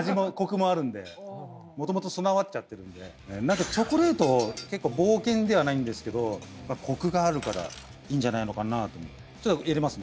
もともと備わっちゃってるんでチョコレート結構冒険ではないんですけどコクがあるからいいんじゃないのかなとちょっと入れますね